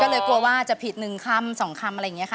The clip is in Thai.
ก็เลยกลัวว่าจะผิด๑คำ๒คำอะไรอย่างนี้ค่ะ